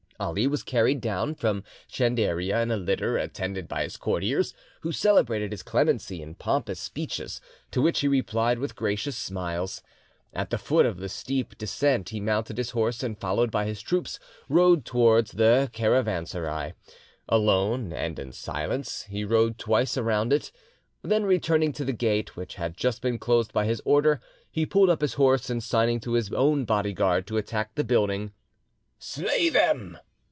Ali was carried down from Chenderia in a litter, attended by his courtiers, who celebrated his clemency in pompous speeches, to which he replied with gracious smiles. At the foot of the steep descent he mounted his horse, and, followed by his troops, rode towards the caravanserai. Alone, and in silence, he rode twice round it, then, returning to the gate, which had just been closed by his order, he pulled up his horse, and, signing to his own bodyguard to attack the building, "Slay them!"